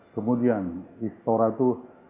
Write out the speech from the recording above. kemudian istora tuh